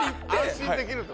安心できると？